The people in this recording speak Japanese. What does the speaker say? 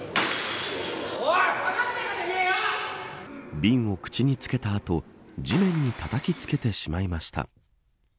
瓶を口につけた後地面にたたきつけてしまいました。